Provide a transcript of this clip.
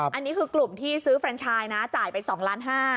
อันนี้คือกลุ่มที่ซื้อเฟรนชายนะจ่ายไป๒ล้าน๕